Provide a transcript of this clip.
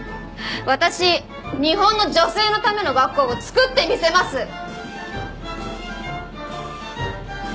私日本の女性のための学校を作ってみせます！